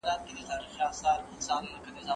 ولي د استوګني حق هر چا ته ورکول کیږي؟